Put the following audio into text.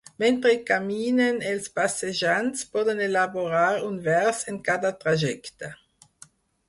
Mentre hi caminen els passejants poden elaborar un vers en cada trajecte.